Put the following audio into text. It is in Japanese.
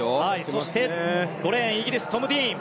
そして、５レーンイギリス、トム・ディーン。